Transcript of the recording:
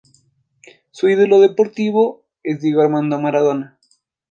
Su ídolo deportivo es Diego Armando Maradona.